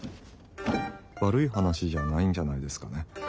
悪い話じゃないんじゃないですかね。